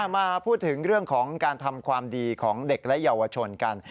มาพูดถึงเรื่องของการทำความดีของเด็กและเยาวชนกัน